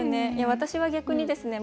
私は逆にですね